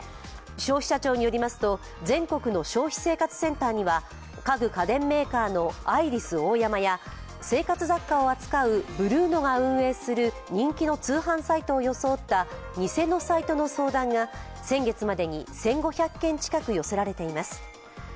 消費者庁によりますと全国の消費生活センターには家具家電メーカーのアイリスオーヤマや生活雑貨を扱うＢＲＵＮＯがが運営する人気の通販サイトを装った偽のサイトの相談が先月までに１５００件近く寄せられています。